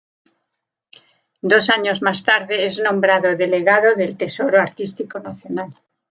Dos años más tarde es nombrado Delegado del Tesoro Artístico Nacional.